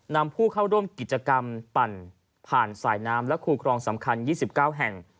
นำผู้เข้าร่วมกิจกรรมปั่นผ่านสายน้ำและคู่ครองสำคัญ๒๙แห่ง